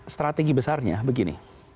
strategi besarnya begini